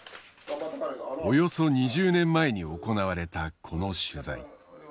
およそ２０年前に行われたこの取材。